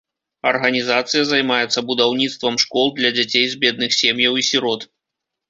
Арганізацыя займаецца будаўніцтвам школ для дзяцей з бедных сем'яў і сірот.